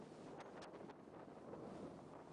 En lenguaje Caribe se usa "Tuna" para denominar un río.